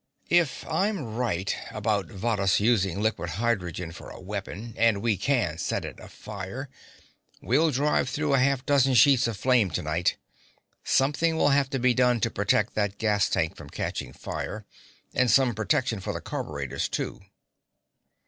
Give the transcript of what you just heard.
"If I'm right about Varrhus using liquid hydrogen for a weapon, and we can set it afire, we'll dive through half a dozen sheets of flame to night. Something will have to be done to protect that gas tank from catching fire, and some protection for the carburetors, too."